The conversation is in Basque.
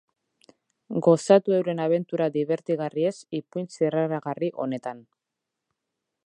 Gozatu euren abentura dibertigarriez ipuin zirraragarri honetan.